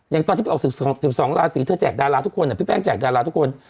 อย่างตอนที่ไปออกสิบสองสิบสองราศีเธอแจกดาราทุกคนน่ะพี่แป้งแจกดาราทุกคน